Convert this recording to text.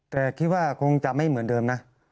แต่คิดว่าคงจะไม่เหมือนเดิมนะ